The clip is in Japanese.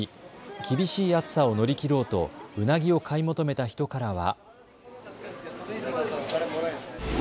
厳しい暑さを乗り切ろうとうなぎを買い求めた人からは。